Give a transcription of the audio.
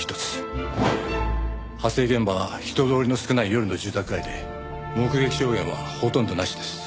発生現場は人通りの少ない夜の住宅街で目撃証言はほとんどなしです。